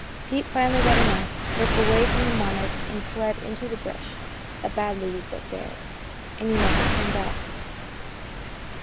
Pete finally got enough, broke away from the Monarch and fled into the brush, a badly used up bear; and he never came back.